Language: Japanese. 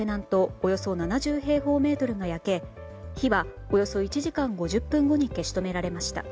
およそ７０平方メートルが焼け火はおよそ１時間５０分後に消し止められました。